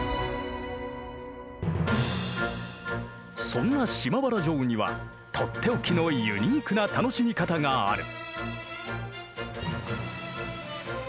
そんな島原城には取って置きのユニークな楽しみ方がある。